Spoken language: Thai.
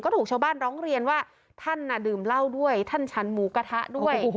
ถูกชาวบ้านร้องเรียนว่าท่านน่ะดื่มเหล้าด้วยท่านฉันหมูกระทะด้วย